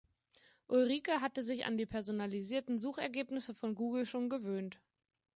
Ulrike hatte sich an die personalisierten Suchergebnisse von Google schon gewöhnt.